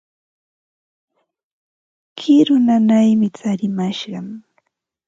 Kiru nanaymi tsarimashqan.